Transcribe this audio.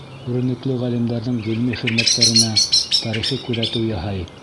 Күренекле ғалимдарҙың ғилми хеҙмәттәренә тарихи күҙәтеү яһай.